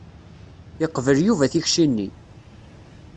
Yeqbel Yuba tikci-nni.